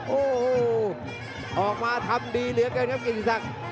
โอ้โหออกมาทำดีเหลือเกินครับกิติศักดิ์